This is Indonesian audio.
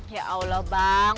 ya allah bang